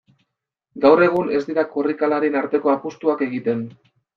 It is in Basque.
Gaur egun ez dira korrikalarien arteko apustuak egiten.